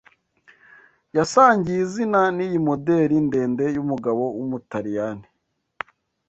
yasangiye izina niyi moderi ndende yumugabo wumutaliyani